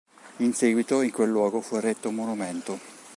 In seguito in quel luogo fu eretto un monumento.